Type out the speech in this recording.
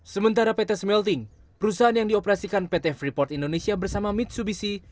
sementara pt smelting perusahaan yang dioperasikan pt freeport indonesia bersama mitsubishi